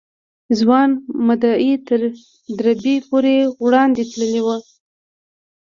ځوان مدعي تر دربي پورې وړاندې تللی و.